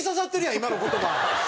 今の言葉。